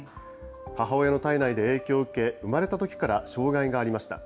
母親の胎内で影響を受け、生まれたときから障害がありました。